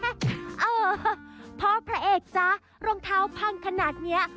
เออพ่อพระเอกจ๊ะรองเท้าพังขนาดนี้